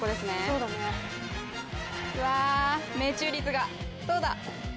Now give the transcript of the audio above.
うわぁ命中率がどうだ。